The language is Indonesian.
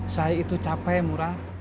saya itu capek murad